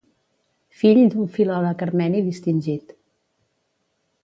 Fill d'un filòleg armeni distingit.